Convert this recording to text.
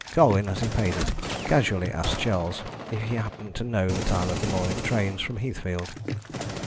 Colwyn, as he paid it, casually asked Charles if he happened to know the time of the morning trains from Heathfield.